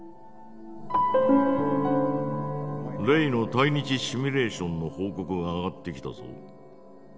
例の対日シミュレーションの報告が上がってきたぞ。